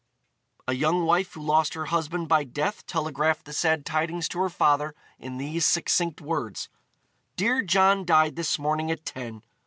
A young wife who lost her husband by death telegraphed the sad tidings to her father in these succinct words: "Dear John died this morning at ten.